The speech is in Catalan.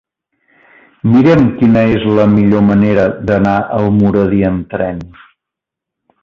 Mira'm quina és la millor manera d'anar a Almoradí amb tren.